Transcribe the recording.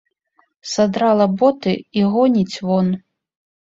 Садрала боты і гоніць вон.